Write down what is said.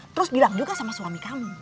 terus bilang juga sama suami kamu